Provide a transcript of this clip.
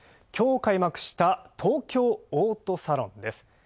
きょう開幕した東京オートサロンです。